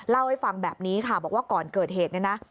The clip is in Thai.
เล่าให้ฟังแบบนี้ค่ะบอกว่าก่อนเกิดเหตุเนี่ยนะ